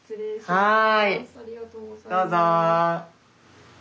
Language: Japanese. はい。